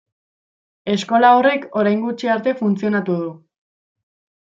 Eskola horrek orain gutxi arte funtzionatu du.